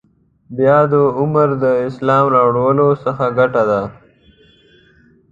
بیا د عمر د اسلام راوړلو څه ګټه ده.